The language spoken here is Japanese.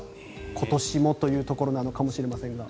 今年もというところなのかもしれませんが。